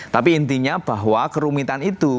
tapi intinya bahwa kerumitan itu